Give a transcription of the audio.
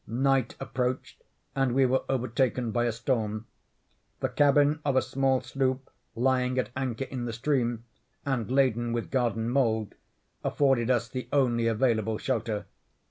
Night approached, and we were overtaken by a storm. The cabin of a small sloop lying at anchor in the stream, and laden with garden mould, afforded us the only available shelter.